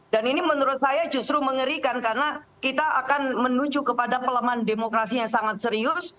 dan ini menurut saya justru mengerikan karena kita akan menuju kepada pelemahan demokrasi yang sangat serius